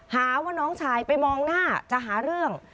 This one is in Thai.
หาว่าน้องชายไปมองหน้าจะหาเรื่อง